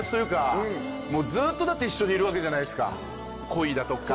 ずっとだって一緒にいるわけじゃないですか。